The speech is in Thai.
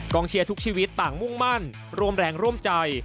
เชียร์ทุกชีวิตต่างมุ่งมั่นร่วมแรงร่วมใจ